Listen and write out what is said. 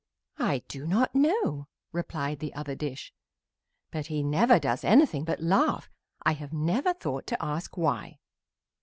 "I do not know," replied the other dish, "but he never does anything but laugh. I have never thought to ask why."